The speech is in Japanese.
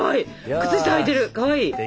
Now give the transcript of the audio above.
靴下はいてるかわいい！